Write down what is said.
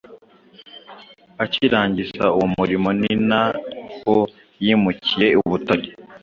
Akirangiza uwo murimo ni na ho yimukiye i Butare.